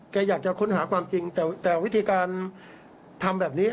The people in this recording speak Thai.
อยากจะค้นหาความจริงแต่วิธีการทำแบบนี้